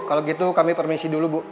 kalau gitu kami permisi dulu bu